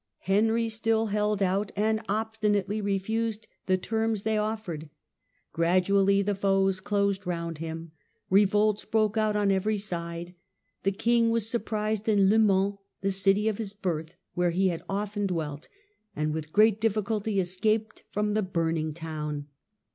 Henry still held out, and obstinately refused the The last terms they offered. Gradually the foes closed rebellion. round him. Revolts broke out on every side. The king was surprised in Le Mans, the city of his birth, where he had often dwelt, and with great difficulty escaped from the burning town.